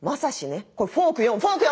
これフォーク４フォーク４！